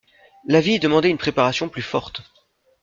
La vie demandait une préparation plus forte.